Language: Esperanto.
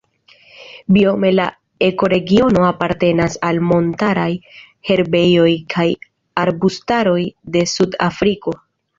Biome la ekoregiono apartenas al montaraj herbejoj kaj arbustaroj de Sud-Afriko.